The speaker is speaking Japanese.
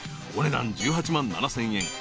［お値段１８万７，０００円。